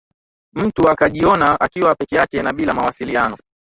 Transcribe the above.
mtu akajiona akiwa peke yake na bila mawasiliano